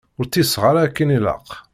Ur ṭṭiseɣ ara akken ilaq.